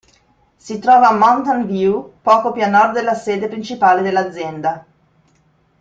Si trova a Mountain View, poco più a nord della sede principale dell'azienda.